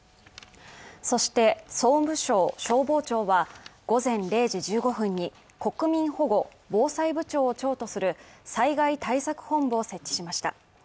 そして、総務省消防庁は、午前０時１５分に、国民保護防災部長を長とする災害対策本部を設置しました。